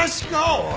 おい。